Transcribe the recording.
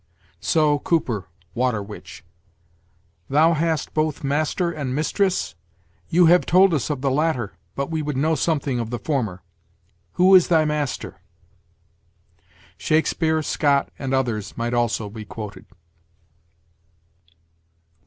So, Cooper (Water Witch): 'Thou hast both master and mistress? You have told us of the latter, but we would know something of the former. Who is thy master?' Shakespeare, Scott, and others might also be quoted.